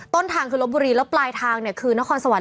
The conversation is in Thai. ต้นทางคือรถบุรีแล้วปลายทางคือนครสวรรค์